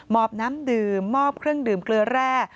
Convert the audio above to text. อบน้ำดื่มมอบเครื่องดื่มเกลือแร่